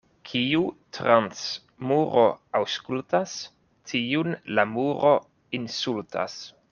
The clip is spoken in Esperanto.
Kiu trans muro aŭskultas, tiun la muro insultas.